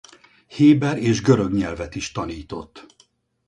Héber és görög nyelvet is tanított.